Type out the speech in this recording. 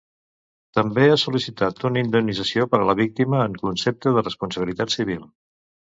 També ha sol·licitat una indemnització per a la víctima en concepte de responsabilitat civil.